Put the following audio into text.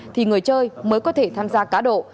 thì người chơi mới có thể tham gia cá độ